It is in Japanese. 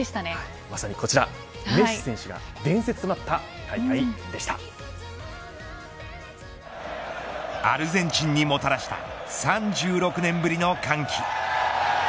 はい、まさにこちらメッシ選手が伝説となったアルゼンチンにもたらした３６年ぶりの歓喜。